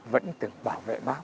vẫn từng bảo vệ bác